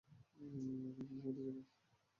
আমি এখন ঘুমোতে যাবো।